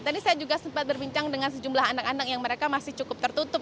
tadi saya juga sempat berbincang dengan sejumlah anak anak yang mereka masih cukup tertutup